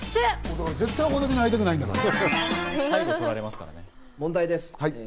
だから絶対、岡田君に会いたくないんだから。